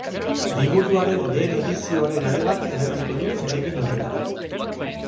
Liburuaren lehen edizioren ale bat erabiliko du zeregin horretarako.